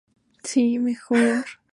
Se encuentra en Augusta, Estados Unidos.